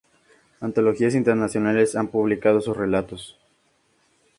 Antologías internacionales han publicado sus relatos.